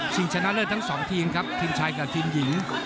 ชิงชะนัดเลิศทั้งสองทีมครับทีมชายกับทีมหญิง